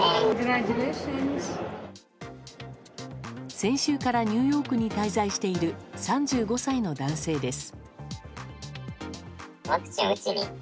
先週からニューヨークに滞在している３５歳の男性です。